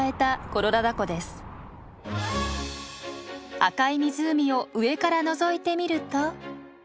赤い湖を上からのぞいてみると。